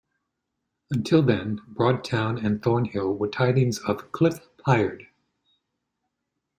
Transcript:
Until then, Broad Town and Thornhill were tithings of Clyffe Pypard.